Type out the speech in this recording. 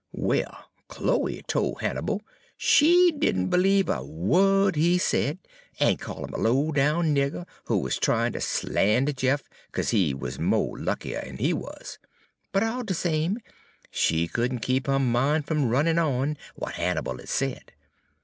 "Well, Chloe tol' Hannibal she did n' b'liebe a wo'd he said, en call' 'im a low down nigger, who wuz tryin' ter slander Jeff 'ca'se he wuz mo' luckier 'n he wuz. But all de same, she could n' keep her min' fum runnin' on w'at Hannibal had said.